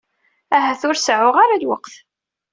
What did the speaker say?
Ahat ur seɛɛuɣ ara lweqt.